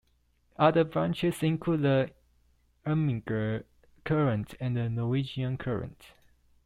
Other branches include the Irminger Current and the Norwegian Current.